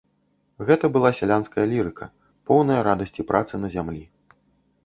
Гэта была сялянская лірыка, поўная радасці працы на зямлі.